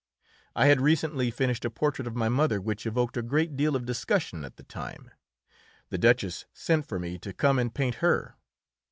I had recently finished a portrait of my mother which evoked a great deal of discussion at the time. The Duchess sent for me to come and paint her.